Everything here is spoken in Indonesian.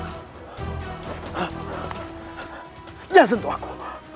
jangan sentuh aku